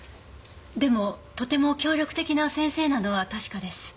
でもとても協力的な先生なのは確かです。